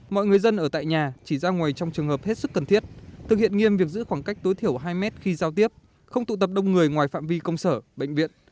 mọi người dân ở tại nhà chỉ ra ngoài trong trường hợp hết sức cần thiết thực hiện nghiêm việc giữ khoảng cách tối thiểu hai mét khi giao tiếp không tụ tập đông người ngoài phạm vi công sở bệnh viện